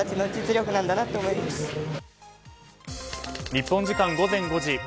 日本時間午前５時。